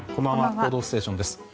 「報道ステーション」です。